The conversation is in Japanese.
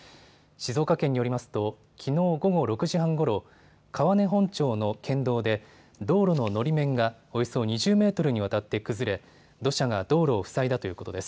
静岡県によりますと、きのう午後６時半ごろ川根本町の県道で道路ののり面がおよそ２０メートルにわたって崩れ土砂が道路を塞いだということです。